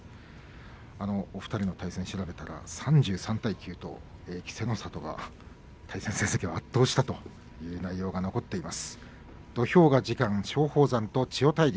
お二人の対戦を調べてみたら３３対９で稀勢の里は対戦成績を圧倒したという記録が残っています。